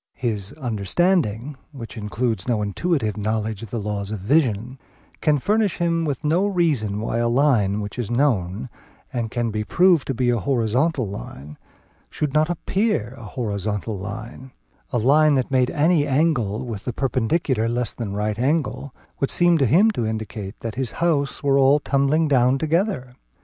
His understanding, which includes no intuitive knowledge of the laws of vision, can furnish him with no reason why a line which is known and can be proved to be a horizontal line, should not appear a horizontal line; a line that made any angle with the perpendicular less than a right angle, would seem to him to indicate that his houses were all tumbling down together.